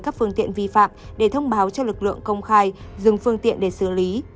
các phương tiện vi phạm để thông báo cho lực lượng công khai dừng phương tiện để xử lý